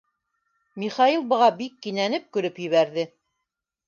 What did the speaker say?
Михаил быға бик кинәнеп көлөп ебәрҙе.